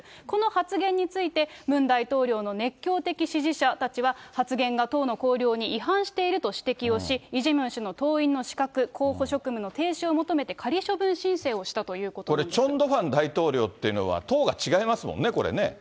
この発言について、ムン大統領の熱狂的支持者たちは、発言が党の綱領に違反していると指摘をし、イ・ジェミョン氏の党員の資格、候補職務の停止を求めて仮処分をこれ、チョン・ドゥファン大統領というのは、違いますもんね、これね。